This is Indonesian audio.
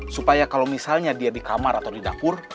supaya kalau misalnya dia di kamar atau di dapur